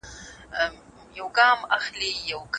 مثبتي خاطرې مو په ذهن کي وساتئ.